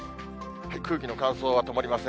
空気の乾燥が止まりません。